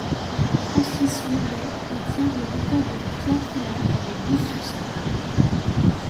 Francis Mourey détient le record de victoires finales avec douze succès.